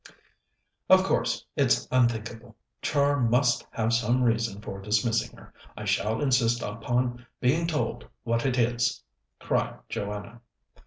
"Of course, it's unthinkable. Char must have some reason for dismissing her. I shall insist upon being told what it is!" cried Joanna.